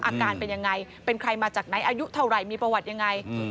อาการเป็นยังไงเป็นใครมาจากไหนอายุเท่าไหร่มีประวัติยังไง